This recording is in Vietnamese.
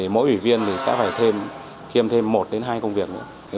mỗi ủy viên thì sẽ phải thêm khiêm thêm một đến hai công việc nữa